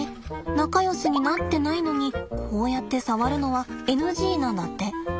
仲よしになってないのにこうやって触るのはＮＧなんだって。